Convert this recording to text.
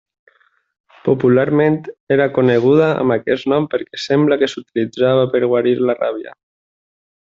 Popularment, era coneguda amb aquest nom perquè sembla que s'utilitzava per a guarir la ràbia.